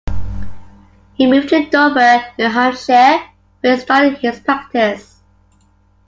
He moved to Dover, New Hampshire where he started his practice.